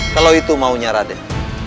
kalau itu maunya raden